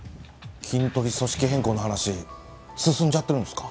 キントリ組織変更の話進んじゃってるんですか？